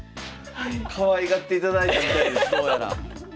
かわいがっていただいたみたいですどうやら。